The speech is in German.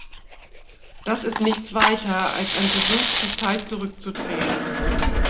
Das ist nichts weiter als ein Versuch, die Zeit zurückzudrehen.